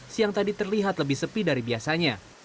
siang tadi terlihat lebih sepi dari biasanya